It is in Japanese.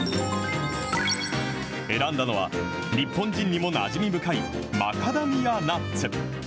選んだのは、日本人にもなじみ深いマカダミアナッツ。